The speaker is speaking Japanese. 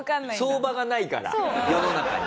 相場がないから世の中に。